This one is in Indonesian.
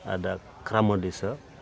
ada kerama desa